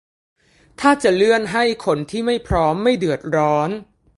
ถ้าจะเลื่อนให้คนที่ไม่พร้อมไม่เดือดร้อน